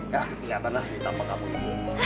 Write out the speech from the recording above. ya kelihatan lah ditapa kamu itu